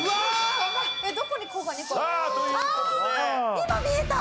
今見えた！